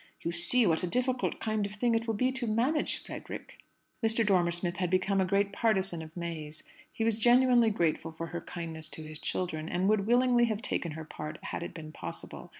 You see what a difficult kind of thing it will be to manage, Frederick." Mr. Dormer Smith had become a great partisan of May's. He was genuinely grateful for her kindness to his children, and would willingly have taken her part had it been possible.